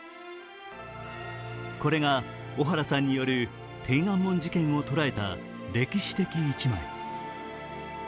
これが小原さんによる天安門事件を捉えた歴史的一枚。